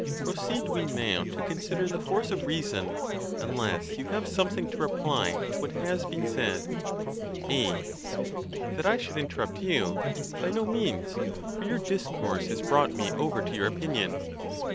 Proceed we now ON BEARING PAIN. 81 to consider the force of reason, unless you have something to reply to what has been said. A. That I should interrupt you! By no means; for your discourse has brought me over to your opinion.